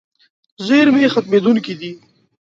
زیرمې ختمېدونکې دي.